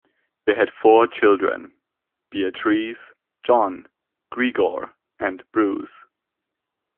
They had four children; Beatrice, John, Gregor, and Bruce.